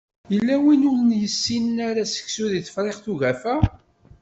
Yella win ur yessinen ara seksu deg Tefriqt n ugafa